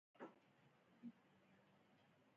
په ګیلاس کې پراته یخي او ویسکي باندې مې سوډا ورو وراچول.